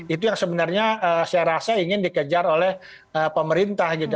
itu yang sebenarnya saya rasa ingin dikejar oleh pemerintah gitu